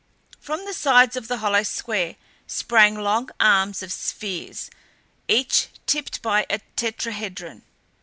From the sides of the hollow square sprang long arms of spheres, each tipped by a tetrahedron.